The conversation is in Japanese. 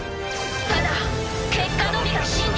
ただ結果のみが真実。